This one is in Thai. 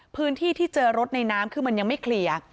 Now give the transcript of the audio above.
พื้นที่ที่เจอรถในน้ำคือมันยังไม่เคลียร์